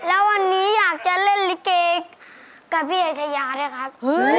แล้ววันนี้อยากจะเล่นลิเกกับพี่เอชายาด้วยครับ